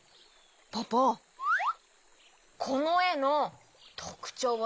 ポポこのえのとくちょうをおしえて。